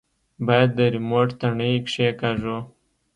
بايد د ريموټ تڼۍ کښېکاږو.